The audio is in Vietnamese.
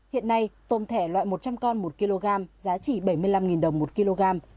hiện nay tôm thẻ loại một trăm linh con một kg giá chỉ bảy mươi năm đồng một kg